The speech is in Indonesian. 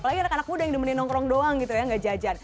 apalagi anak anak muda yang dimenin nongkrong doang gitu ya nggak jajan